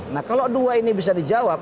nah kalau dua ini bisa dijawab